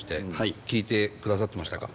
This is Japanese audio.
聴いてくださってましたか？